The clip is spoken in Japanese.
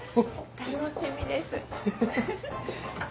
楽しみです。